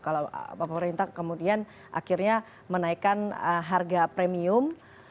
kalau pemerintah kemudian akhirnya menaikkan harga premium